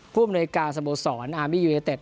ผู้บำนวยกาสมโตรสรอารมียูเนอร์เต็ด